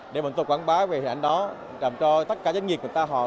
để mình tôi quảng bá hình ảnh đó làm cho tất cả doanh nghiệp của người ta